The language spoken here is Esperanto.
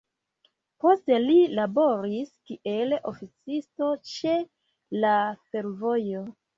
Poste li laboris kiel oficisto ĉe la fervojo.